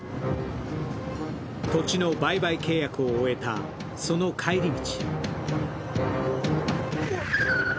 土地の売買契約を終えたその帰り道。